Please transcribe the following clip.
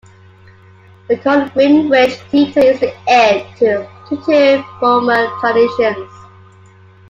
The current Greenwich Theatre is the heir to two former traditions.